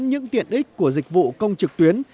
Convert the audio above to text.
những tiện ích của dịch vụ công trực tuyến